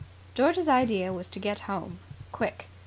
George's idea was to get home. Quick.